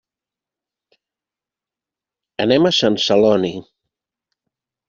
Anem a Sant Celoni.